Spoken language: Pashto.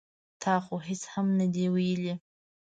ـ تا خو هېڅ هم نه دي ویلي.